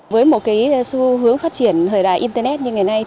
với một xu hướng phát triển thời đại internet như ngày nay